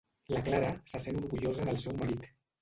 La Clara se sent orgullosa del seu marit.